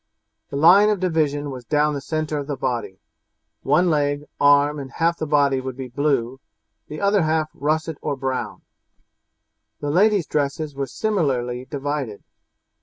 The line of division was down the centre of the body; one leg, arm, and half the body would be blue, the other half russet or brown. The ladies' dresses were similarly divided.